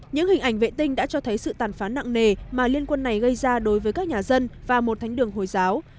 những hình ảnh vệ tinh đã cho thấy sự tàn phán nặng nề mà liên quân này gây ra đối với các nhà dân và một thánh đường hồi giáo